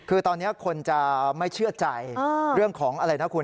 คือตอนนี้คนจะไม่เชื่อใจเรื่องของอะไรนะคุณ